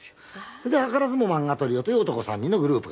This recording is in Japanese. それで図らずも漫画トリオという男３人のグループができたんで。